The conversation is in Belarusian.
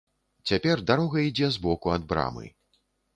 Цяпер дарога ідзе збоку ад брамы.